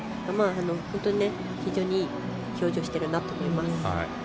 本当に非常にいい表情をしてるなと思います。